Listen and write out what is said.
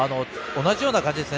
同じような感じですね。